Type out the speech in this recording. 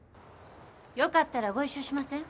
・よかったらご一緒しません？